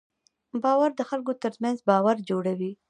باور د خلکو تر منځ باور جوړوي.